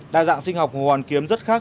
đa dạng sinh học hồ hoàn kiếm rất khác